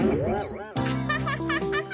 アハハハ！